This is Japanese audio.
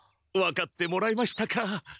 分かってもらえましたか？